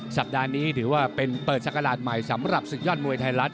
สัปดาห์นี้ถือว่าเป็นเปิดศักราชใหม่สำหรับศึกยอดมวยไทยรัฐ